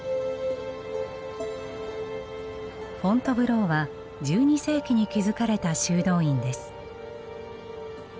フォントヴローは１２世紀に築かれた修道院です。